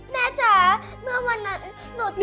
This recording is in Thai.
แม่จ๋าเมื่อวันนั้นหนูเจอ